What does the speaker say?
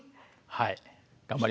はい。